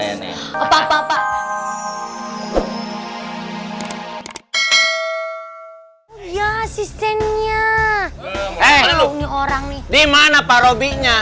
ya asistennya orang nih dimana pak robinya